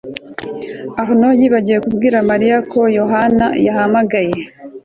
arnaud yibagiwe kubwira mariya ko yohana yahamagaye